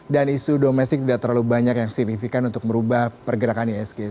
dan isu domestik tidak terlalu banyak yang signifikan untuk merubah pergerakan isg